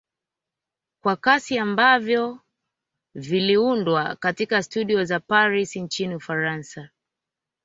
Kwa kasi ambavyo viliundwa katika studio za Paris nchini Ufaransa